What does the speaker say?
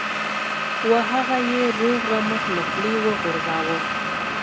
و هغه یې روغ رمټ له خولې وغورځاوه.